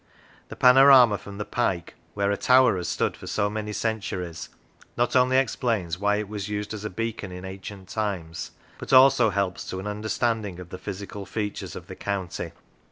This panorama from the Pike, where a tower has stood for so many centuries, not only explains why it was used as a beacon in ancient times, but also helps to an understanding of the physical features of the county.